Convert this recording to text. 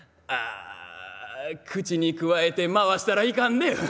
あ口にくわえて回したらいかんで。